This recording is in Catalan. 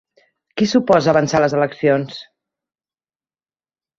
Qui s'oposa a avançar les eleccions?